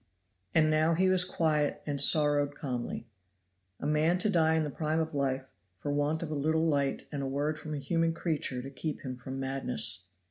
And now he was quiet and sorrowed calmly. A man to die in the prime of life for want of a little light and a word from a human creature to keep him from madness.